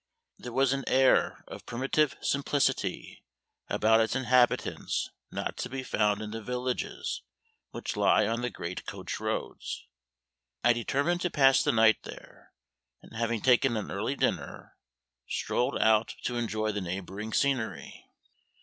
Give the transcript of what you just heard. There was an air of primitive simplicity about its inhabitants not to be found in the villages which lie on the great coach roads. I determined to pass the night there, and, having taken an early dinner, strolled out to enjoy the neighboring scenery.